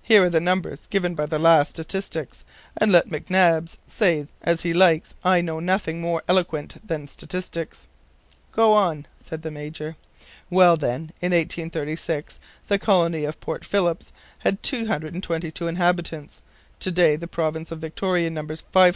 "Here are the numbers given by the last statistics; and let McNabbs say as he likes, I know nothing more eloquent than statistics." "Go on," said the Major. "Well, then, in 1836, the colony of Port Phillip had 224 inhabitants. To day the province of Victoria numbers 550,000.